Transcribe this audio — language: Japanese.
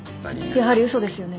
やはり嘘ですよね。